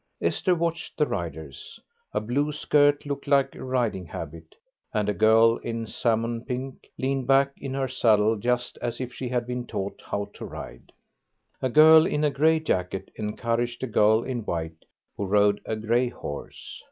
Esther watched the riders. A blue skirt looked like a riding habit, and a girl in salmon pink leaned back in her saddle just as if she had been taught how to ride. A girl in a grey jacket encouraged a girl in white who rode a grey horse.